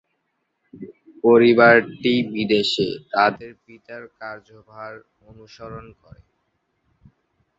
পরিবারটি বিদেশে তাদের পিতার কার্যভার অনুসরণ করেন।